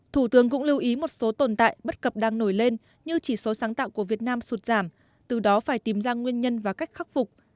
thủ tướng cũng lưu ý một số tồn tại bất cập đang nổi lên như chỉ số sáng tạo của việt nam sụt giảm từ đó phải tìm ra nguyên nhân và cách khắc phục